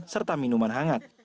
serta minuman hangat